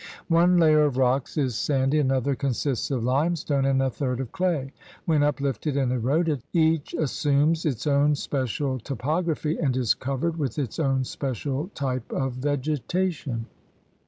One layer of rocks is sandy, another consists of limestone, and a third of clay. When uplifted and eroded each assumes its own special topography and is covered with its own special type of vegetation.